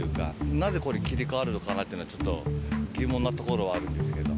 なぜこれ切り替わるのかなっていうのは、疑問なところはあるんですけれども。